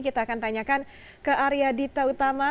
kita akan tanyakan ke area dita utama